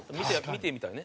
見てみたいね。